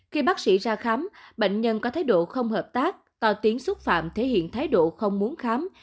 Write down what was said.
khi bác sĩ ra khám bệnh nhân có thái độ không hợp tác to tiếng xúc phạm thể hiện thái độ không muốn khám